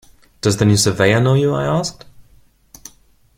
“Does the new Surveyor know you?” I asked.